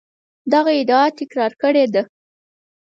دغه ادعا تکرار کړې ده.